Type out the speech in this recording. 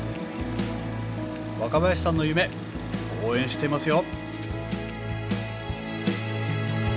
若林さんの夢応援してますよ！